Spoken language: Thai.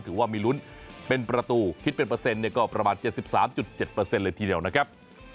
ถือว่ามีลุ้นเป็นประตูคิดเป็นเปอร์เซ็นต์ก็ประมาณ๗๓๗เลยทีเดียวนะครับ